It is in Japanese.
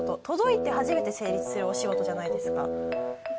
届いて初めて成立するお仕事じゃないですか。